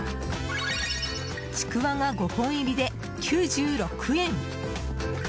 ちくわが５本入りで９６円。